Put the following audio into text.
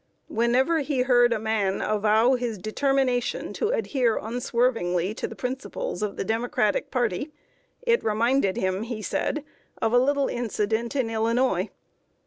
Whenever he heard a man avow his determination to adhere unswervingly to the principles of the Democratic party, it reminded him, he said, of a "little incident" in Illinois.